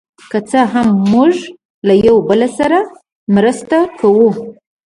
که څه هم، موږ له یو بل سره مرسته کوو.